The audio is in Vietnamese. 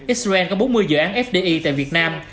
israel có bốn mươi dự án fdi tại việt nam